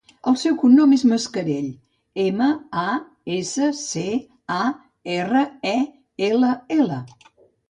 El seu cognom és Mascarell: ema, a, essa, ce, a, erra, e, ela, ela.